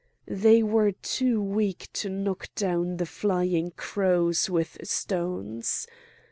They were too weak to knock down the flying crows with stones.